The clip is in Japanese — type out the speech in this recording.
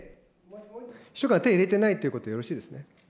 秘書官、手入れてないということでよろしいですね。